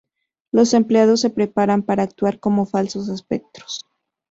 Los empleados se preparan para actuar como falsos espectros.